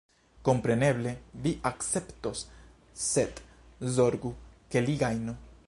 Kompreneble vi akceptos, sed zorgu, ke li gajnu.